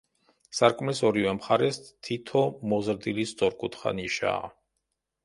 სარკმლის ორივე მხარეს თითო მოზრდილი სწორკუთხა ნიშაა.